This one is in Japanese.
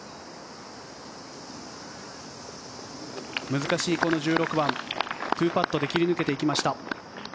難しいこの１６番、２パットで切り抜けていきました。